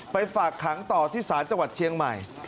ฝากขังต่อที่ศาลจังหวัดเชียงใหม่